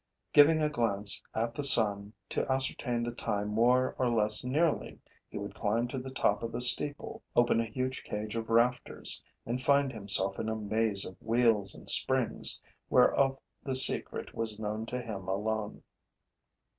Giving a glance at the sun, to ascertain the time more or less nearly, he would climb to the top of the steeple, open a huge cage of rafters and find himself in a maze of wheels and springs whereof the secret was known to him alone.